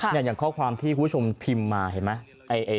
อย่างข้อความที่คุณผู้ชมพิมพ์มาเห็นไหม